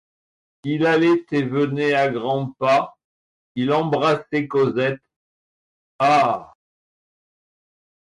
Il allait et venait à grands pas, il embrassait Cosette: — Ah!